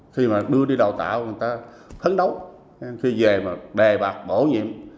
khi mà đưa đi đào tạo người ta phấn đấu khi về mà đề bạc bổ nhiệm